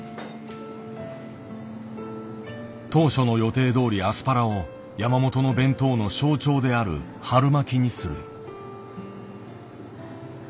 当初の予定どおりアスパラを山本の弁当の象徴である春巻きにする。